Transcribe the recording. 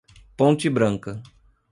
Ponte Branca